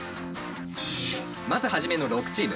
まず初めの６チーム。